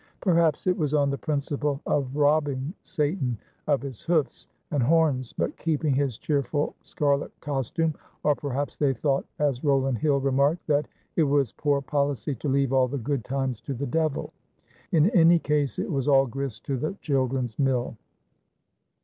Perhaps it was on the principle of robbing Satan of his hoofs and horns but keeping his cheerful scarlet costume, or perhaps they thought, as Rowland Hill remarked, that "it was poor policy to leave all the good times to the Devil." In any case it was all grist to the children's mill.